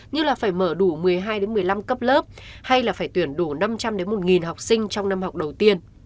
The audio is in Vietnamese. như là phải mở đủ một mươi hai một mươi năm cấp lớp hay là phải tuyển đủ năm trăm linh một học sinh trong năm học đầu tiên